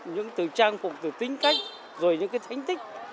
những từ trang phục từ tính cách rồi những cái thánh tích